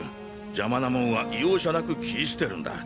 邪魔なもんは容赦なく切り捨てるんだ。